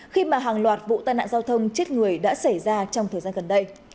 khi mà hàng loạt vụ tai nạn giao thông chết người đã xảy ra trong thời gian gần đây